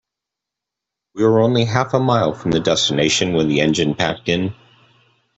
We were only half a mile from the destination when the engine packed in.